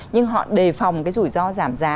nhưng họ đề phòng cái rủi ro giảm giá